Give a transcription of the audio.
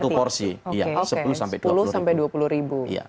satu porsi iya sepuluh dua puluh ribu